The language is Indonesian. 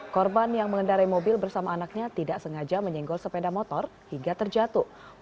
korban yang mengendarai mobil bersama anaknya tidak sengaja menyenggol sepeda motor hingga terjatuh